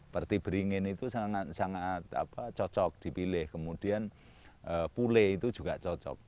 perti beringin itu sangat sangat cocok dipilih kemudian pule itu juga cocok